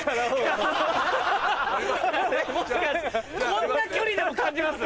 こんな距離でも感じます？